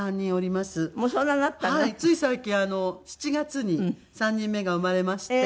つい最近７月に３人目が生まれまして。